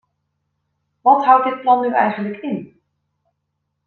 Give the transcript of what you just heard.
Wat houdt dit plan nu eigenlijk in?